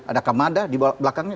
ada kamada di belakangnya